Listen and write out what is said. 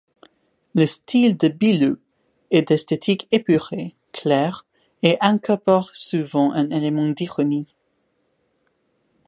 Le style de Billout est d'esthétique épurée, claire, et incorpore souvent un élément d'ironie.